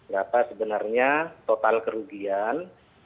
berapa sebenarnya total kerugian